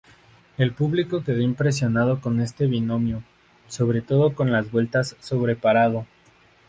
El público quedó impresionado con este binomio, sobre todo con las vueltas sobre parado.